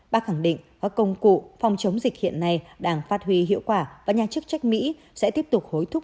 bà khẳng định các công cụ phòng chống dịch hiện nay đang phát huy hiệu quả và nhà chức trách mỹ sẽ tiếp tục hối thúc